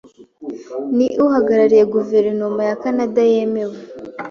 Ni uhagarariye guverinoma ya Kanada yemewe.